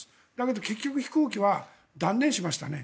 でも結局、飛行機は断念しましたね。